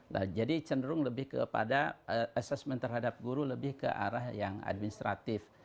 nah jadi cenderung lebih kepada assessment terhadap guru lebih ke arah yang administratif